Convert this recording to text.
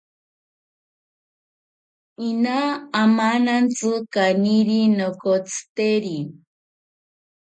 Ina amanantsi kaniri nokotsiteri.